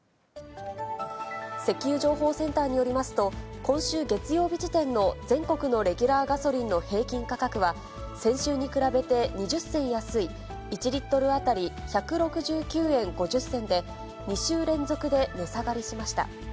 石油情報センターによりますと、今週月曜日時点の全国のレギュラーガソリンの平均価格は、先週に比べて２０銭安い、１リットル当たり１６９円５０銭で、２週連続で値下がりしました。